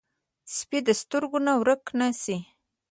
سپي د سترګو نه ورک نه شي.